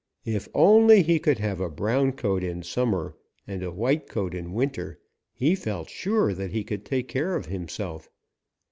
If only he could have a brown coat in summer and a white coat in winter, he felt sure that he could take care of himself.